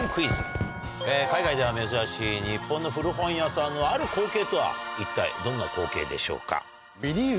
海外では珍しい日本の古本屋さんのある光景とは一体どんな光景でしょうか。